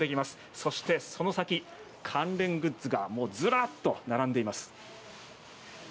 そして、その先、関連グッズがもうずらっと並んでいます。